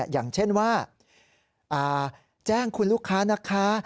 อย่างเช่นว่าแจ้งคุณลูกค้านะคะ